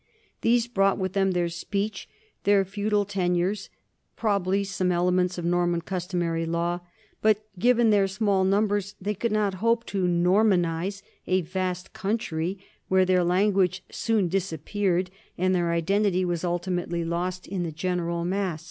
These brought with them their speech, their feudal tenures, probably some elements of Norman customary law; but, given their small numbers, they could not hope to Normanize a vast country, where their language soon disappeared and their identity was ultimately lost in the general mass.